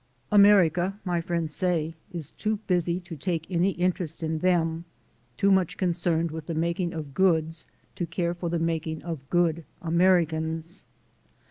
America, my friends say, is too busy to take any interest in them, too much concerned with the 11831 184THE SOUL OF AN IMMIGRANT making of goods to care for the making of good Americans.